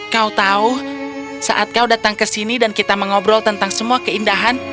kau tahu saat kau datang ke sini dan kita mengobrol tentang semua keindahan